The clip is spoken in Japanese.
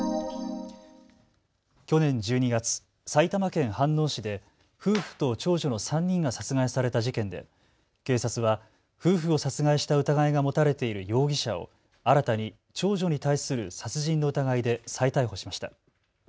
去年１２月、埼玉県飯能市で夫婦と長女の３人が殺害された事件で警察は夫婦を殺害した疑いが持たれている容疑者を新たに長女に対する殺人の疑いで再逮捕しました。